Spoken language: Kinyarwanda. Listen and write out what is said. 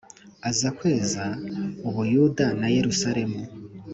Aza kweza u Buyuda na Yerusalemu